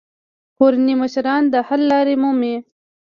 کورني مشران د حل لارې مومي.